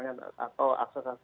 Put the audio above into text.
nah itu itu